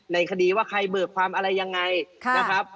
ในคดีว่าใครเบิกความอะไรยังไงนะครับ